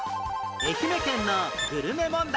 愛媛県のグルメ問題